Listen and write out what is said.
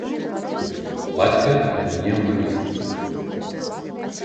Бацька акамянеў на месцы.